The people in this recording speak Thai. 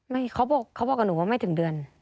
ไม่เขาบอกกับหนูว่าไม่ถึงเดือน